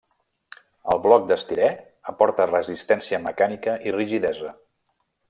El bloc d'estirè aporta resistència mecànica i rigidesa.